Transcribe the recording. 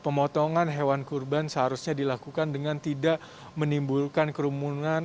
pemotongan hewan kurban seharusnya dilakukan dengan tidak menimbulkan kerumunan